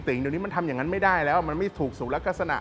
สิ่งเดี๋ยวนี้มันทำอย่างนั้นไม่ได้แล้วมันไม่ถูกสู่ลักษณะ